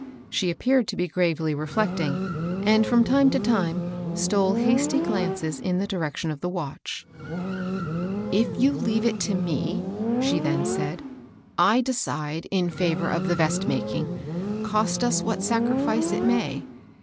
She appeared to be gravely reflecting, and, from time to time, stole hasty glances in the direction of the watch. " If you leave it to me," she then said, " I de cide in favor of the vest making, cost us what sac rifice it may.